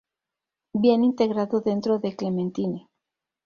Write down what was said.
Viene integrado dentro de Clementine.